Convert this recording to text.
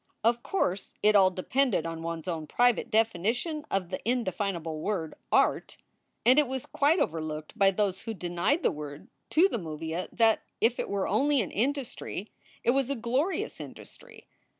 Of course it all depended on one s own private definition of the indefinable word "art " 3 i8 SOULS FOR SALE and it was quite overlooked by those who denied the word to the Movia that if it were only an industry it was a glorious industry.